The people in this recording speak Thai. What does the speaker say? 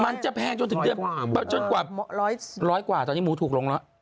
มันจะแพงจนถึงเกือบร้อยกว่าตอนนี้หมูถูกลงแล้ว